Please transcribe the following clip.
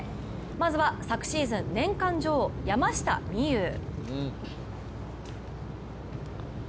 まずは昨シーズン年間女王山下美夢有。